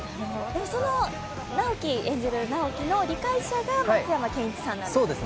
その直木の理解者が松山ケンイチさんなんですね。